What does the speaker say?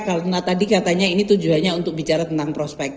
karena tadi katanya ini tujuannya untuk bicara tentang prospek